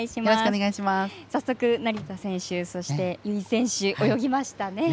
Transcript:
早速、成田選手、由井選手泳ぎましたね。